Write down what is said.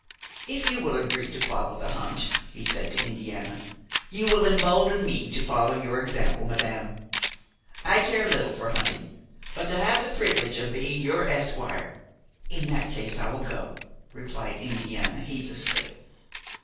"If you will agree to follow the hunt," he said to Indiana, "you will embolden me to follow your example, Madame. I care little for hunting; but to have the privilege of being your esquire–" "In that case I will go," replied Indiana, heedlessly.